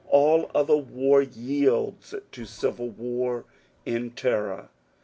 All other war yields to civil war in terror.